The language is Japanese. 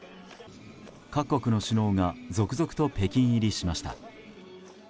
各国の首脳が続々と北京入りしました。